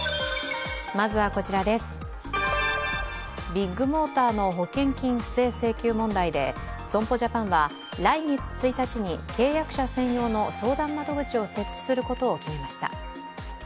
ビッグモーターの保険金不正請求問題で損保ジャパンは来月１日に契約者専用の相談窓口を設置することを決めました。